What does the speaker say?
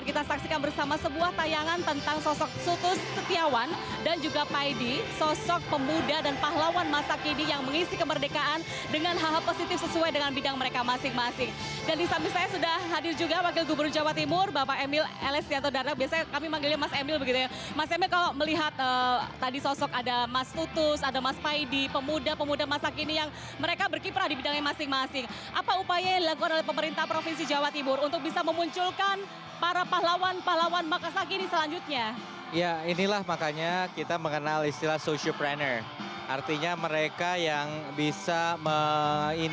kami kembali sesaat lagi